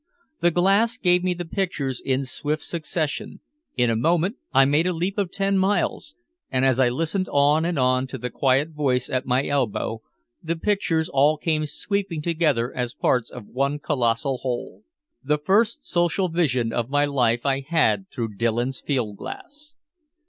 The glass gave me the pictures in swift succession, in a moment I made a leap of ten miles, and as I listened on and on to the quiet voice at my elbow, the pictures all came sweeping together as parts of one colossal whole. The first social vision of my life I had through Dillon's field glass.